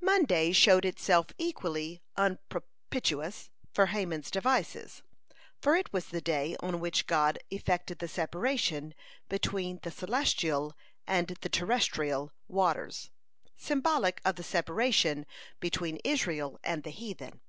Monday showed itself equally unpropitious for Haman's devices, for it was the day on which God effected the separation between the celestial and the terrestrial waters, symbolic of the separation between Israel and the heathen.